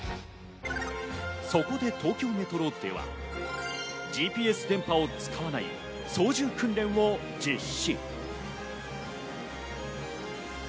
そこで東京メトロではＧＰＳ電波を使わない操縦訓練を実施。